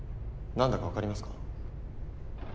何だか分かりますか？